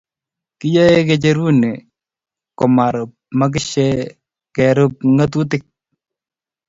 Kiyeyei kecheruni komarub makishe kerub ngatutik.